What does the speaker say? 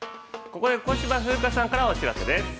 ◆ここで、小芝風花さんからお知らせです。